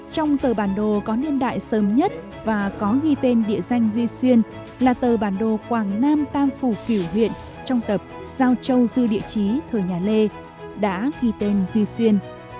trong tờ bản đồ có niên đại sớm nhất và có ghi tên địa danh duy xuyên là tờ bản đồ quảng nam tam phủ kiểu huyện trong tập giao châu dư địa chí thời nhà lê đã ghi tên duy xuyên